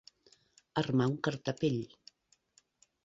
Armar un cartapell.